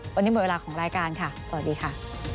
วันนี้หมดเวลาของรายการค่ะสวัสดีค่ะ